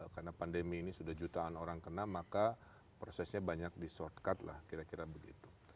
karena pandemi ini sudah jutaan orang kena maka prosesnya banyak di shortcut lah kira kira begitu